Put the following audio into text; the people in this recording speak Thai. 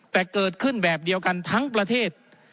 แต่เกิดขึ้นแบบเดียวกันทั้งประเทศ